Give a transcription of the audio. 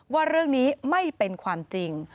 ว่าเรื่องนี้ไม่เป็นความจริง